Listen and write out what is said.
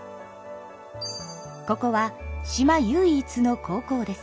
ここは島唯一の高校です。